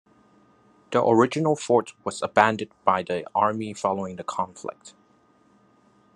The original fort was abandoned by the Army following the conflict.